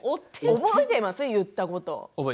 覚えてますか、言ったこと。